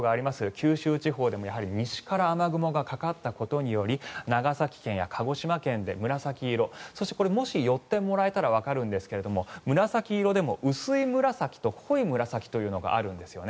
九州地方でも西から雨雲がかかったことにより長崎県や鹿児島県で紫色、そして寄ってもらえたらわかるんですが紫色でも薄い紫と濃い紫があるんですね。